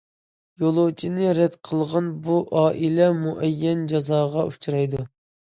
يولۇچىنى رەت قىلغان بۇ ئائىلە مۇئەييەن جازاغا ئۇچرايدۇ.